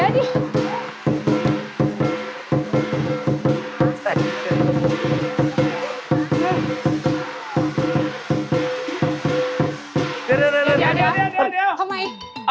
เดี๋ยวทำไม